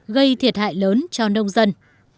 gây thiệt hại lớn cho nông dân